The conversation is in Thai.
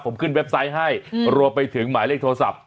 ผมขึ้นเว็บไซต์ให้รวมไปถึงหมายเลขโทรศัพท์